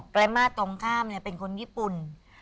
แกรมมาร์ตรงข้ามเนี่ยเป็นคนญี่ปุ่น